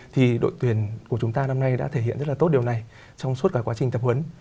thì đội tuyển của chúng ta năm nay đã thể hiện rất là tốt điều này trong suốt cả quá trình tập huấn